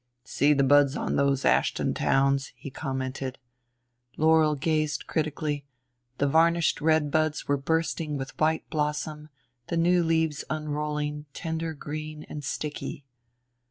"See the buds on those Ashton Towns," he commented. Laurel gazed critically: the varnished red buds were bursting with white blossom, the new leaves unrolling, tender green and sticky.